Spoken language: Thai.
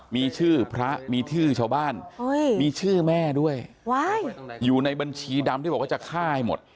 มีชื่อพระมีชื่อชาวบ้านมีชื่อแม่ด้วยอยู่ในบัญชีดำที่บอกว่าจะฆ่าให้หมด